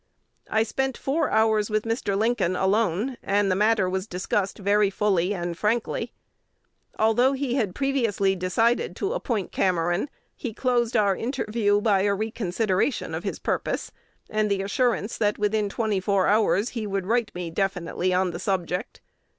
I spent four hours with Mr. Lincoln alone; and the matter was discussed very fully and frankly. Although he had previously decided to appoint Cameron, he closed our interview by a reconsideration of his purpose, and the assurance that within twenty four hours he would write me definitely on the subject.